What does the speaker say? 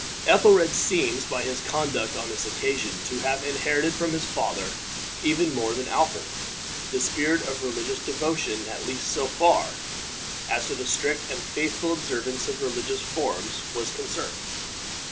Ethelred seems by his conduct on this occasion to have inherited from his father, even more than Alfred, the spirit of religious devotion at least so far as the strict and faithful observance of religious forms was concerned.